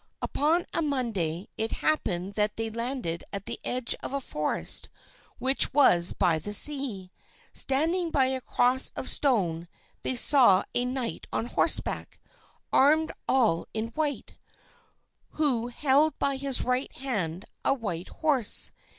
Upon a Monday it happened that they landed at the edge of a forest which was by the sea. Standing by a cross of stone they saw a knight on horseback, armed all in white, who held by his right hand a white horse.